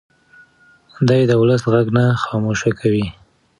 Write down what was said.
دی د ولس غږ نه خاموشه کوي.